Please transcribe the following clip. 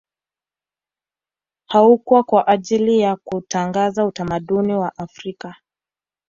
Haukwa kwa ajili ya kuutangaza utamaduni wa Afrika